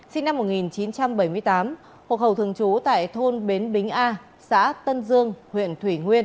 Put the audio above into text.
sinh năm một nghìn chín trăm bảy mươi tám hộ khẩu thường trú tại thôn bến bính a xã tân dương huyện thủy nguyên